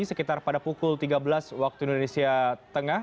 sekitar pada pukul tiga belas waktu indonesia tengah